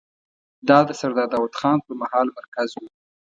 دا د سردار داوود خان پر مهال مرکز و.